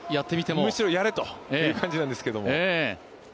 むしろ、やれという感じなんですけども。